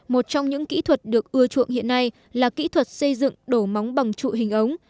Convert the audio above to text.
một trong những kỹ thuật được ưa chuộng hiện nay là kỹ thuật xây dựng đổ móng bằng trụ hình ống